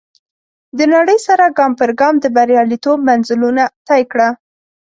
د نړۍ سره ګام پر ګام د برياليتوب منزلونه طی کړه.